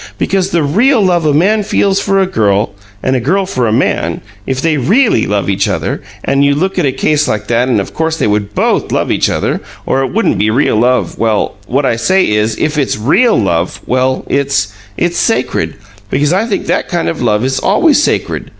" Because the REAL love a man feels for a girl and a girl for a man, if they REALLY love each other, and, you look at a case like that, of course they would BOTH love each other, or it wouldn't be real love well, what I say is, if it's REAL love, well, it's it's sacred, because I think that kind of love is always sacred.